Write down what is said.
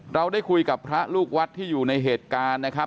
เราได้คุยกับพระลูกวัดที่อยู่ในเหตุการณ์นะครับ